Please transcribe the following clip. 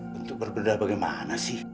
bentuk berbeda bagaimana sih